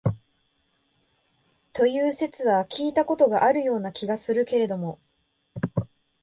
という説は聞いた事があるような気がするけれども、